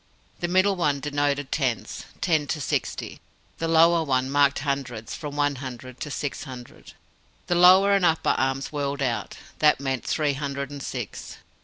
The middle one denoted tens, TEN to SIXTY. The lower one marked hundreds, from ONE HUNDRED to SIX HUNDRED. The lower and upper arms whirled out. That meant THREE HUNDRED AND SIX.